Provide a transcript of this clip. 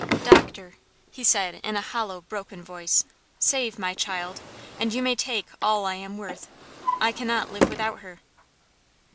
"Doctor," he said in a hollow, broken voice, "save my child, and you may take all I am worth. I cannot live without her."